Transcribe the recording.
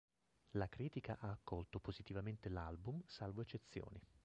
La critica ha accolto positivamente l'album, salvo eccezioni.